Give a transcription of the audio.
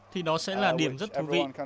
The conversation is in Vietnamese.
thì đó sẽ là điểm rất thú vị